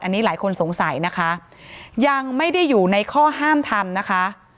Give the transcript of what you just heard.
อันนี้หลายคนสงสัยนะคะยังไม่ได้อยู่ในข้อห้ามทำนะคะ